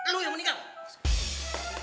lu yang menikah